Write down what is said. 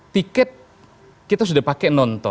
tiket kita sudah pakai nonton